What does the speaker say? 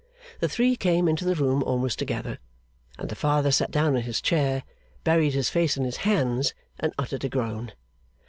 The three came into the room almost together; and the Father sat down in his chair, buried his face in his hands, and uttered a groan.